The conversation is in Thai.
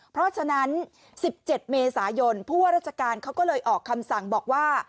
เพราะฉะนั้น๑๗เมษายนผู้ว่าราชการเขาก็เลยออกคำสั่งบอกว่า